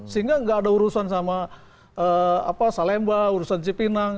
sehingga nggak ada urusan sama salemba urusan cipinang